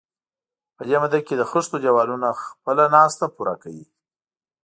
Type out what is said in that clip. په دې موده کې د خښتو دېوالونه خپله ناسته پوره کوي.